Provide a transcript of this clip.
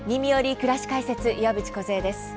くらし解説」岩渕梢です。